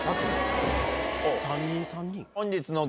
３人３人？